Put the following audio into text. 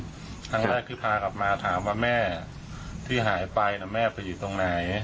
ครั้งแรกที่พากลับมาถามว่าแม่ที่หายไปแม่ไปอยู่ตรงไหน